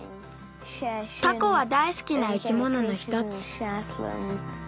タコはだいすきな生き物のひとつ。